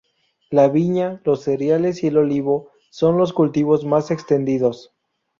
La viña, los cereales y el olivo son los cultivos más extendidos.